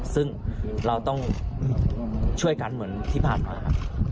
ซึ่งเราต้องช่วยกันเหมือนที่ผ่านมาครับ